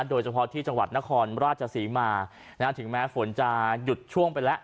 โดยเฉพาะที่จังหวัดนครราชศรีมาถึงแม้ฝนจะหยุดช่วงไปแล้ว